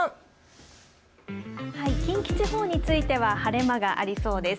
近畿地方については晴れ間がありそうです。